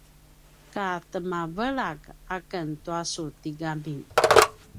ka temavelak aken tua su tigami